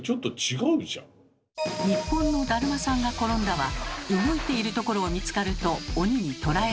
日本の「だるまさんがころんだ」は動いているところを見つかると鬼に捕らえられます。